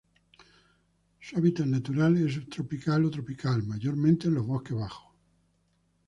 Su hábitat natural es subtropical o tropical, mayormente en los bosques bajos.